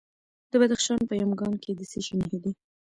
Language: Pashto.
د بدخشان په یمګان کې د څه شي نښې دي؟